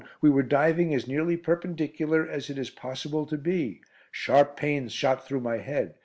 We were diving as nearly perpendicular as it is possible to be. Sharp pains shot through my head.